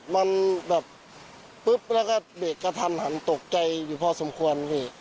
มันแบบปุ๊บแล้วก็เบรกกระทันหันตกใจอยู่พอสมควรพี่